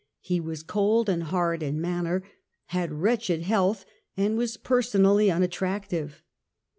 He was cold and hard in manner, had wretched health, and was personally unattractive.